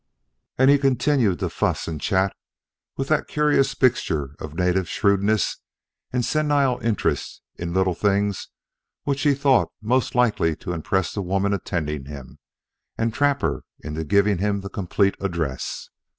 And he continued to fuss and chat, with that curious mixture of native shrewdness and senile interest in little things which he thought most likely to impress the woman attending him, and trap her into giving him the complete address.